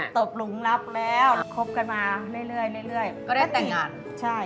ตบหลุงรับแล้วครบกันมาเรื่อยเรื่อยเรื่อยเรื่อยก็ได้แต่งงานใช่